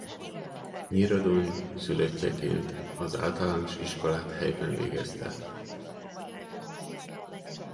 Nyíradony szülöttjeként az általános iskolát helyben végezte.